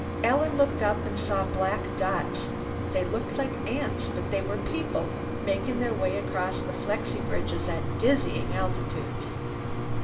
Alan looked up and saw black dots they looked like ants, but they were people making their way across the flexi bridges at dizzying altitudes.